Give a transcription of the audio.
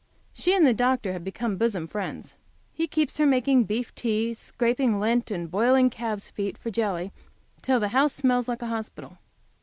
She and the doctor have become bosom friends. He keeps her making beef tea, scraping lint, and boiling calves feet for jelly, till the house smells like an hospital.